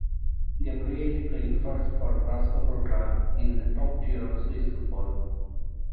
Gabrieli played first for Grasshopper Club in the top tier of Swiss football.